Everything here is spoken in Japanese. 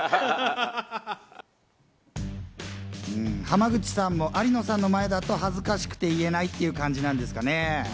濱口さんも有野さんの前だと恥ずかしくて言えないっていう感じなんですかね。